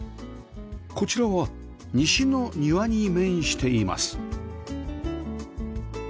こちらは西の庭に面しています